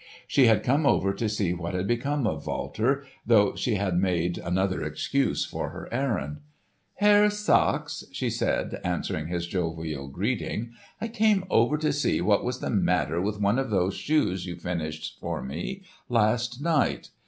She had come over to see what had become of Walter, though she had made another excuse for her errand. "Herr Sachs," she said, answering his jovial greeting, "I came over to see what was the matter with one of these shoes you finished for me last night.